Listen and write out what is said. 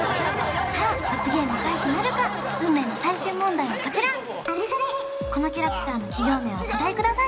さあ罰ゲーム回避なるか運命の最終問題はこちらこのキャラクターの企業名をお答えください